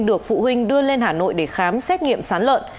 được phụ huynh đưa lên hà nội để khám xét nghiệm sán lợn